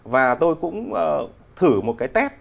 và tôi cũng thử một cái test